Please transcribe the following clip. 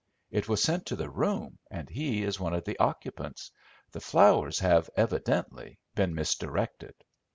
It was sent to the room, and he is one of the occupants. The flowers have evidently been misdirected."